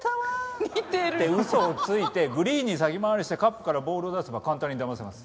似てる！ってウソをついてグリーンに先回りしてカップからボールを出せば簡単にだませます。